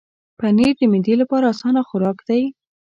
پنېر د معدې لپاره اسانه خوراک دی.